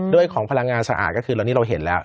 ของพลังงานสะอาดก็คือตอนนี้เราเห็นแล้ว